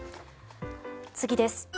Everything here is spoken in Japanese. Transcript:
次です。